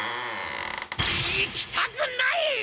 行きたくないっ！